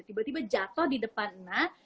tiba tiba jatuh di depan na